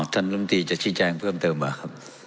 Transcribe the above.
อ๋อท่านลำตีจะชิงแจงเพิ่มเติมหรือครับ